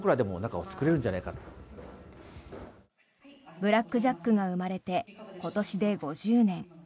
「ブラック・ジャック」が生まれて、今年で５０年。